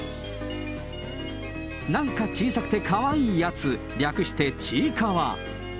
なんか小さくてかわいいやつ、略してちいかわ。